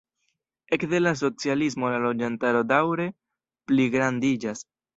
Ekde la socialismo la loĝantaro daŭre pligrandiĝas.